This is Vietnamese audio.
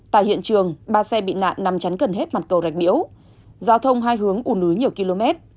tại hiện trường ba xe bị nạn nằm chắn gần hết mặt cầu rạch biễu giao thông hai hướng ù ứ nhiều km